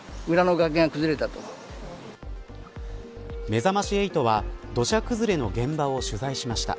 めざまし８は土砂崩れの現場を取材しました。